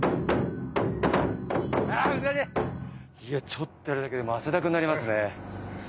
ちょっとやるだけで汗だくになりますね。